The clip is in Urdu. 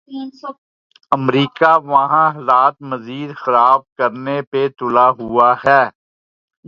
امریکہ وہاں حالات مزید خراب کرنے پہ تلا ہوا ہے۔